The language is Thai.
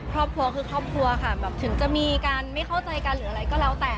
ครอบครัวคือครอบครัวค่ะแบบถึงจะมีการไม่เข้าใจกันหรืออะไรก็แล้วแต่